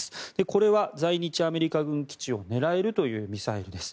これは在日アメリカ軍基地を狙えるというミサイルです。